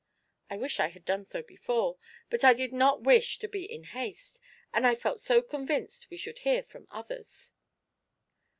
I wish I had done so before, but I did not wish to be in haste, and I felt so convinced we should hear from others."